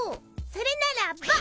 それならば！